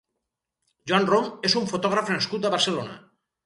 Joan Rom és un fotògraf nascut a Barcelona.